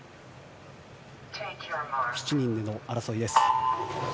７人での争いです。